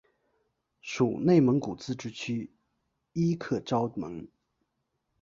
属内蒙古自治区伊克昭盟。